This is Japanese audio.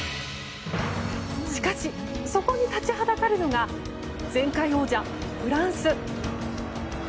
しかし、そこに立ちはだかるのが前回王者フランス。